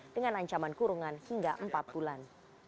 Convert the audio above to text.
dengan ancaman kurungan hingga empat bulan